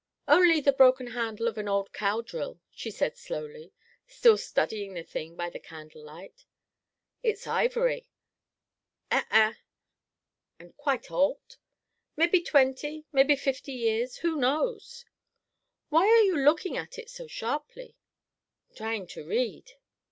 "Only the broken handle of an old cow drill," she said slowly, still studying the thing by the candle light. "It's ivory." "Eh eh." "And quite old?" "Mebby twenty, mebby fifty years. Who knows?" "Why are you looking at it so sharply?" "Trying to read."